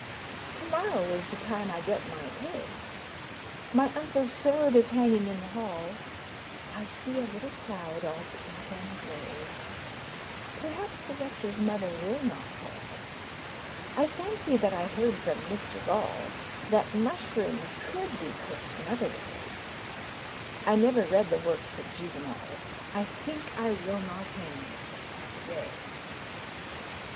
Tomorrow is the time I get my pay My uncle's sword is hanging in the hall I see a little cloud all pink and grey Perhaps the Rector's mother will not call I fancy that I heard from Mr Gall That mushrooms could be cooked another way I never read the works of Juvenal I think I will not hang myself today.